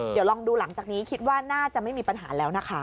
เดี๋ยวลองดูหลังจากนี้คิดว่าน่าจะไม่มีปัญหาแล้วนะคะ